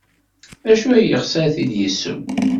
D acu ay yeɣs ad t-id-yesseww?